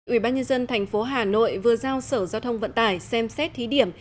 ủy ban nhân dân thành phố hà nội vừa giao sở giao thông vận tải xem xét thí điểm